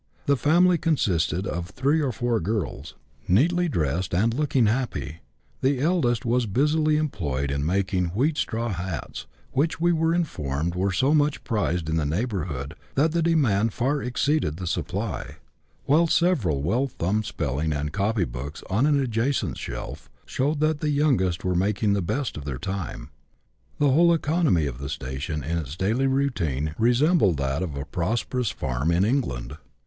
The family consisted of three or four girls, neatly dressed, and looking happy ; the eldest was busily employed in making wheat straw hats, which we were informed were so much prized in the neighbourhood that the demand far exceeded the supply ; while several well thumbed spelling and copybooks, on an adjacent shelf, shewed that the youngest were making the best of their time. The whole economy of the station, in its daily routine, resembled that of a prosperous farm in England.